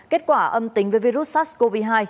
kết quả âm tính với virus sars cov hai